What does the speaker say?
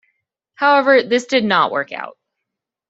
However, this did not work out.